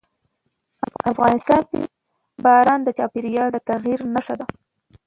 افغانستان کې باران د چاپېریال د تغیر نښه ده.